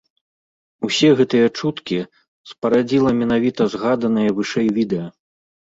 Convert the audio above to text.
Усе гэтыя чуткі спарадзіла менавіта згаданае вышэй відэа.